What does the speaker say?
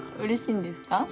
嬉しいんですか？